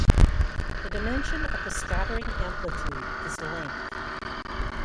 The dimension of the scattering amplitude is length.